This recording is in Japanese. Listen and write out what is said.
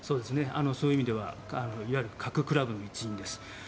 そういう意味ではいわゆる核クラブの一員です。